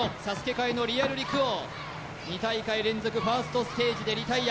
界のリアル陸王２大会連続ファーストステージでリタイア